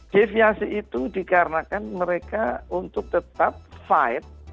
deviasi itu dikarenakan mereka untuk tetap fight